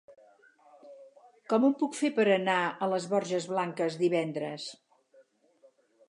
Com ho puc fer per anar a les Borges Blanques divendres?